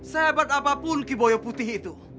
sehebat apapun kiboyo putih itu